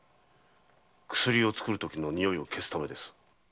薬を作るときの臭いを消すためです。